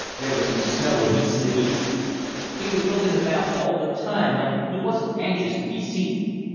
There was some snow and he slid easy. He was lookin' about all the time like he wasn't anxious to be seen.